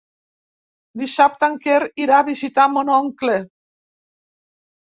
Dissabte en Quer irà a visitar mon oncle.